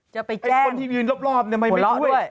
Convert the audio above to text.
จะไปแจ้งหัวเราะด้วย